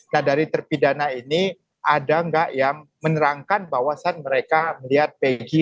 nah dari terpidana ini ada nggak yang menerangkan bahwasan mereka melihat pegi